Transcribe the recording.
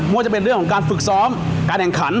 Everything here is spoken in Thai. ว่าจะเป็นเรื่องของการฝึกซ้อมการแข่งขัน